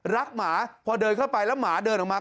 หมาพอเดินเข้าไปแล้วหมาเดินออกมา